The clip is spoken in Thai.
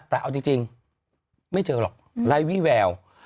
แต่เอาจริงไม่เจอหรอกไร้วี่แวว